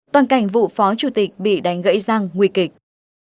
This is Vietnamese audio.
toàn cảnh vụ phó chủ tịch bị đánh gãy răng nguy kịch